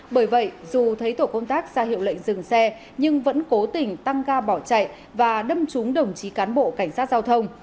bởi vậy dù thấy tổ công tác ra hiệu lệnh dừng xe nhưng vẫn cố tình tăng ga bỏ chạy và đâm trúng đồng chí cán bộ cảnh sát giao thông